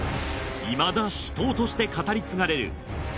いまだ死闘として語り継がれる